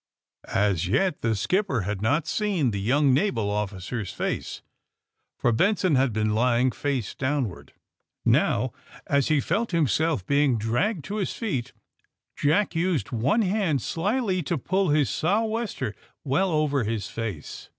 '' As yet the skipper had not seen the young naval officer's face, for Benson had been lying face downward. Now, as he felt himself being dragged to his feet. Jack used one hand slyly to pull his sou'wester well over his face.